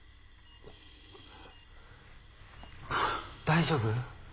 大丈夫？